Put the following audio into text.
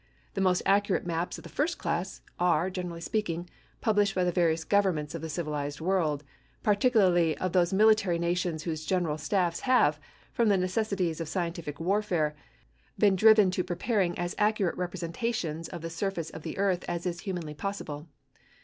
The most accurate maps of the first class are, generally speaking, published by the various governments of the civilized world, particularly of those military nations whose general staffs have, from the necessities of scientific warfare, been driven to preparing as accurate representations of the surface of the earth as is humanly possible.